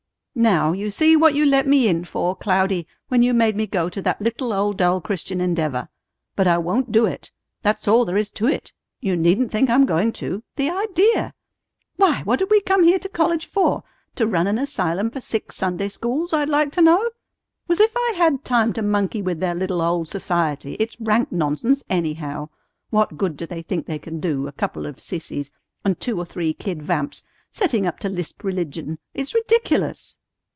"Now, you see what you let me in for, Cloudy, when you made me go to that little old dull Christian Endeavor! But I won't do it! That's all there is to it. You needn't think I'm going to. The idea! Why, what did we come here to college for? To run an asylum for sick Sunday schools, I'd like to know? As if I had time to monkey with their little old society! It's rank nonsense, anyhow! What good do they think they can do, a couple of sissies, and two or three kid vamps, setting up to lisp religion? It's ridiculous!"